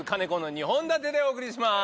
２本立てでお送りします！